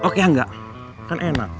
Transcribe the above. oh ya nggak kan enak